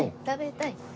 食べたい！